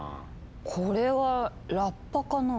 これはラッパかな？